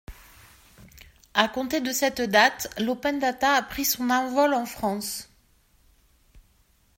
À compter de cette date, l’open data a pris son envol en France.